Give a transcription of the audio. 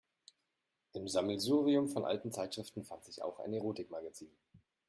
Im Sammelsurium von alten Zeitschriften fand sich auch ein Erotikmagazin.